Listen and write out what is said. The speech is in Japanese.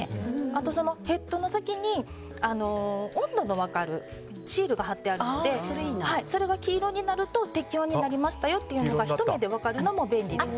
あと、ヘッドの先に温度の分かるシールが貼ってあるのでそれが黄色になると適温になりましたよというのがひと目で分かるのも便利です。